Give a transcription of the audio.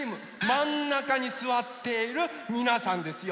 まんなかにすわっているみなさんですよ。